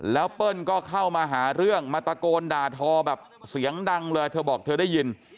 แล้วเปิ้ลก็เข้ามาหาเรื่องมาตะโกนด่าทอแบบเสียงดังเลยเธอบอกเธอได้ยิน